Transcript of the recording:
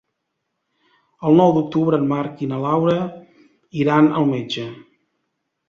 El nou d'octubre en Marc i na Laura iran al metge.